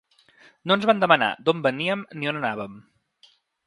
No ens van demanar d’on veníem ni on anàvem.